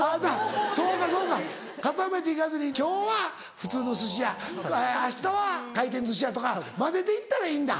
そうかそうか固めて行かずに今日は普通の寿司屋明日は回転寿司屋とか交ぜて行ったらいいんだ。